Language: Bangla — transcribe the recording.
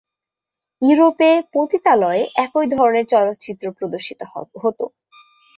ইউরোপে, পতিতালয়ে একই ধরনের চলচ্চিত্র প্রদর্শিত হত।